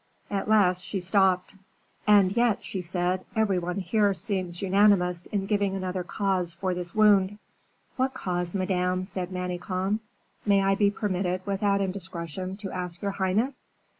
At last she stopped. "And yet," she said, "every one here seems unanimous in giving another cause for this wound." "What cause, Madame?" said Manicamp; "may I be permitted, without indiscretion, to ask your highness?"